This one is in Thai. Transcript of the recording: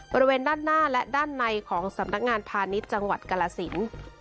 บริเวณด้านหน้าและด้านในของสำนักงานพาณิชย์จังหวัดกรสิน